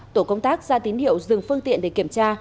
tổ công tác ra tín hiệu dừng phương tiện để kiểm tra